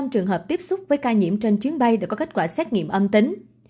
ba mươi năm trường hợp tiếp xúc với ca nhiễm trên chuyến bay đã có kết quả xét nghiệm âm tính